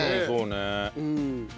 そうね。